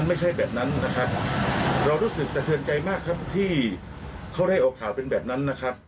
ใน๒๔ชั่วโมงตอนนั้น